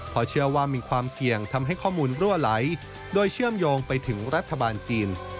เพราะเชื่อว่ามีความเสี่ยงทำให้ข้อมูลรั่วไหลโดยเชื่อมโยงไปถึงรัฐบาลจีน